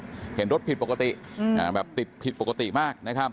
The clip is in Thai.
บอกว่าเขาเห็นรถผิดปกติติดผิดปกติมาก